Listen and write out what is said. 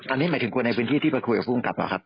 อันนี้หมายถึงคนในพื้นที่ที่ไปคุยกับผู้กำกับเหรอครับ